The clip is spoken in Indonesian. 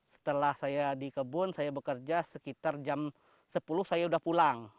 setelah saya di kebun saya bekerja sekitar jam sepuluh saya sudah pulang